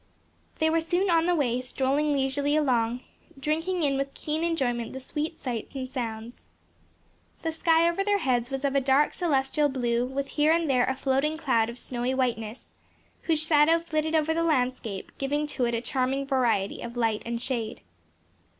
They were soon on the way, strolling leisurely along, drinking in with keen enjoyment the sweet sights and sounds. The sky over their heads was of a dark celestial blue with here and there a floating cloud of snowy whiteness, whose shadow flitted over the landscape, giving to it a charming variety of light and shade.